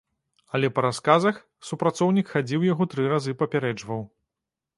Але па расказах, супрацоўнік хадзіў яго тры разы папярэджваў.